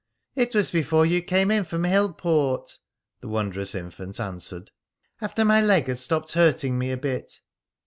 "It was before you came in from Hillport," the wondrous infant answered. "After my leg had stopped hurting me a bit."